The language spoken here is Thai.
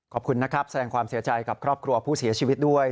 ขอบคุณนะครับแสดงความเสียใจกับครอบครัวผู้เสียชีวิตด้วย